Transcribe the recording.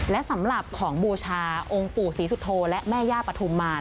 และสำหรับของบูชาองค์ปู่ศรีสุโธและแม่ย่าปฐุมมาร